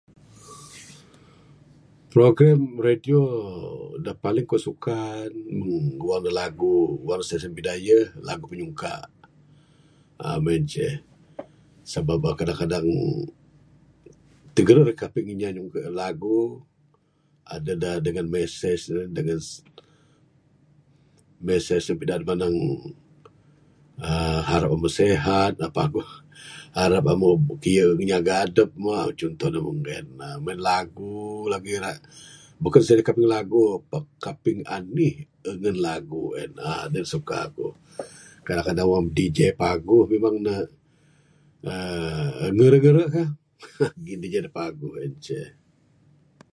Program radio da paling kuk suka mung wang ne lagu, wang station Bidayuh, lagu pinyungkak. uhh Mun en ceh. Sebab uhh kadang kadang tigeru ra ngkaping inya nyungkak lagu. Aduh da dengan messsage ne, dengan message ne pidaan manang uhh harap amu sehat, harap amuk paguh, harap amuk kiyu nyaga adup mu'. uhh Cunto ne mung en. Mung en lagu lagik. Rak bekun sirikat rak lagu, pak kaping anih nehun lagu en. En da suka kuk. Kadang kadang wang DJ paguh memang ne uhh ngeru' ngeru' kah. uhh Ngin inya da paguh. En ce.